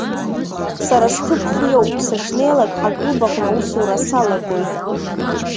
Сара сҭыԥ хиоуп, сышнеилак ҳклуб аҟны аусура салагоит.